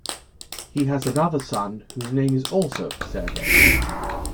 He has another son, whose name is also Sergei.